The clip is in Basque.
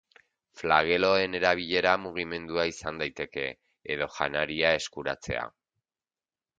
Flageloen erabilera mugimendua izan daiteke, edo janaria eskuratzea.